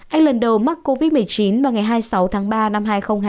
anh lần đầu mắc covid một mươi chín vào ngày hai mươi sáu tháng ba năm hai nghìn hai mươi